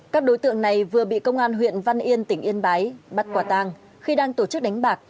các đối tượng này vừa bị công an huyện văn yên tỉnh yên bái bắt quả tang khi đang tổ chức đánh bạc